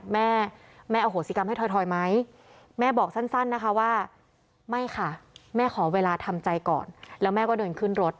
ไม่ค่ะแม่ขอเวลาทำใจก่อนแล้วแม่ก็เดินขึ้นรถ